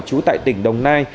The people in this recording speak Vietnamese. chú tại tỉnh đồng nai